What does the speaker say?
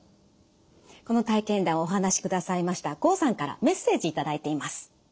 この体験談をお話しくださいました郷さんからメッセージ頂いています。